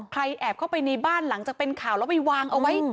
แอบเข้าไปในบ้านหลังจากเป็นข่าวแล้วไปวางเอาไว้